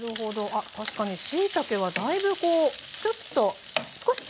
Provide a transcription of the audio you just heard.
あっ確かにしいたけはだいぶちょっと少し縮みますね。